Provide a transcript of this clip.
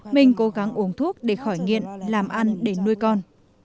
mình cố gắng uống thuốc để khỏi nghiện làm ăn để nuôi con